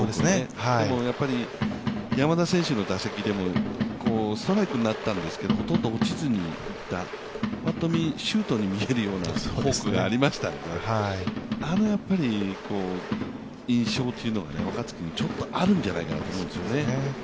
でも山田選手の打席でもストライクになったんですけど、ほとんど落ちずにいった、ぱっと見シュートに見えるようなフォークがありましたんであの印象というのは、若月にちょっとあるんじゃないかと思うんですよね。